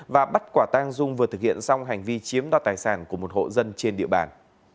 và bắt quả tang dung vừa thực hiện xong hành vi chiếm đoạt tài sản của một hộ dân trên địa bàn